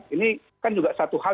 ini kan juga satu hal